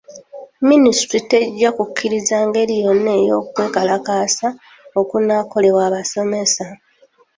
Minisitule tejja kukkiriza ngeri yonna ey'okwekalakaasa okunaakolebwa abasomesa.